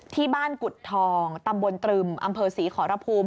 ที่บ้านกุฎทองตำบลตรึมอำเภอศรีขอรภูมิ